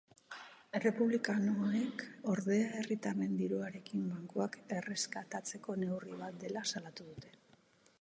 Errepublikanoek, ordea, herritarren diruarekin bankuak erreskatatzeko neurri bat dela salatu dute.